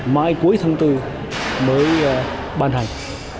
mai cuối tháng bốn mới ban hành